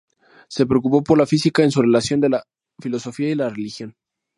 Se preocupó por la Física en su relación con la filosofía y la religión.